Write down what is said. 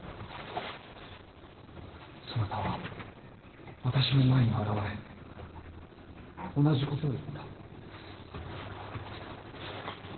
そなたは私の前に現れ同じことを言った。